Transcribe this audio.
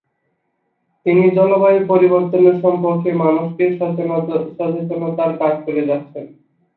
তিনি জলবায়ু পরিবর্তন সম্পর্কে মানুষকে সচেতনতার কাজ করে যাচ্ছেন।